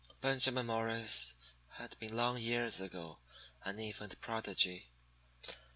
Benjamin Morris had been long years ago an infant Prodigy.